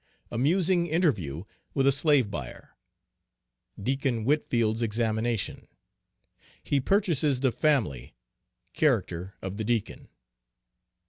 Amusing interview with a slave buyer. Deacon Whitfield's examination. He purchases the family. Character of the Deacon.